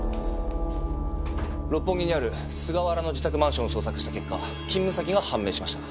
六本木にある菅原の自宅マンションを捜索した結果勤務先が判明しました。